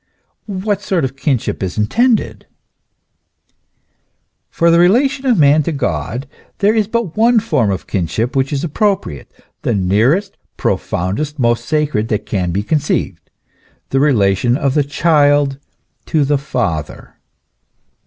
What sort of kinship is intended ? For the relation of man to God, there is but one form of kinship which is appropriate, the nearest, profoundest, most sacred that can be conceived, the relation of the child to the father.